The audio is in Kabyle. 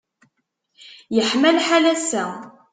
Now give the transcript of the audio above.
Yeḥma lḥal ass-a.